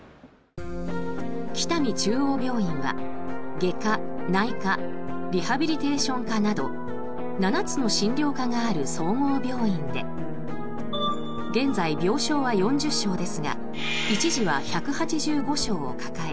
北見中央病院は外科、内科リハビリテーション科など７つの診療科がある総合病院で現在、病床は４０床ですが一時は１８５床を抱え